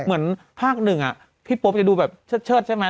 เหมือนภาคหนึ่งพี่โป๊ปจะดูแบบเชิดใช่ไหม